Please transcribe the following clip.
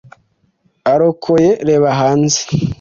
arakoroye) .... reba hanze !!